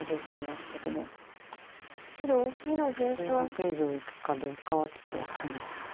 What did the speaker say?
１０目以上いくかどうかはちょっと分からないです。